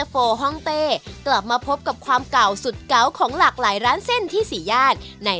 ขอบคุณครับขอบคุณครับขอบคุณครับ